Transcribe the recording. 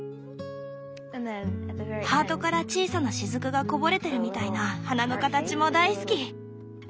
ハートから小さな滴がこぼれてるみたいな花の形も大好き。